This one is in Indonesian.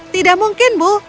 tidak mungkin ibu